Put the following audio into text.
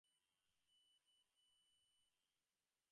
আমি জনগণকে রক্ষা করার জন্য দমকল কর্মী হতে চেয়েছিলাম।